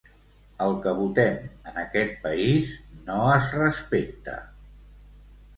El que votem en aquest país no es respecta.